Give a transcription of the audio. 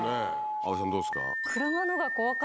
葵さんどうですか？